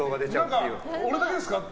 俺だけですか？